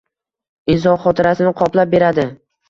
Inson xotirasin qoplab beradi.